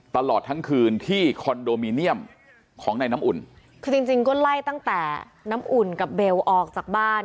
ตลอดทั้งคืนที่คอนโดมิเนียมของในน้ำอุ่นคือจริงจริงก็ไล่ตั้งแต่น้ำอุ่นกับเบลออกจากบ้าน